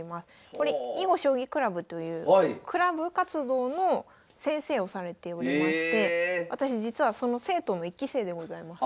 これ囲碁将棋クラブというクラブ活動の先生をされておりまして私実はその生徒の１期生でございます。